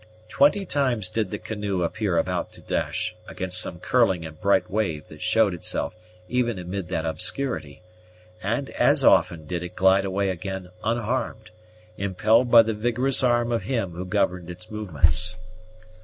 Twenty times did the canoe appear about to dash against some curling and bright wave that showed itself even amid that obscurity; and as often did it glide away again unharmed, impelled by the vigorous arm of him who governed its movements.